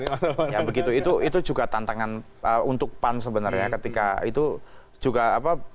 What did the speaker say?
ya begitu itu juga tantangan untuk pan sebenarnya ketika itu juga apa